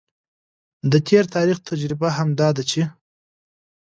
د تیر تاریخ تجربه هم دا ده چې